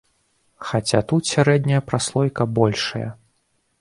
Хаця тут сярэдняя праслойка большая.